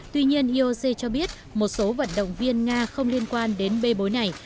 tuy nhiên ioc cho biết một số vận động viên nga không liên quan đến bê bối này